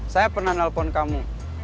saya pernah nelpon kamu